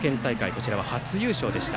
こちらは初優勝でした。